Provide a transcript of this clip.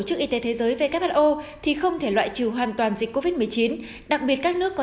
chức y tế thế giới who thì không thể loại trừ hoàn toàn dịch covid một mươi chín đặc biệt các nước có